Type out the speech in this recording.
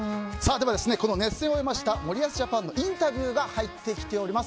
では、熱戦を終えました森保ジャパンのインタビューが入ってきております。